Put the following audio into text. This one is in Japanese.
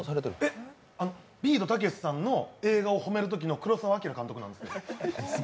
え、ビートたけしさんの映画を褒めるときの黒澤明監督なんですよ。